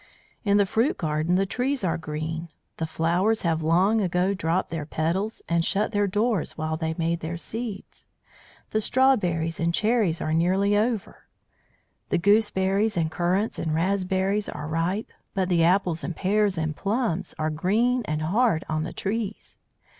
"In the fruit garden the trees are green. The flowers have long ago dropped their petals and shut their doors while they made their seeds. The strawberries and cherries are nearly over, the gooseberries and currants and raspberries are ripe, but the apples and pears and plums are green and hard on the trees.